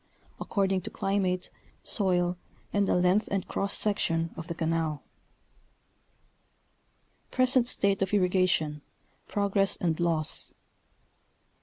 according to climate, soil, and the length and cross section of the canal. PRESENT STATE OF [RRIGATION—PROGRESS AND LAWS.